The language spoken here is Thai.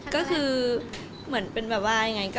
ก็คือเหมือนเป็นแบบว่ายังไง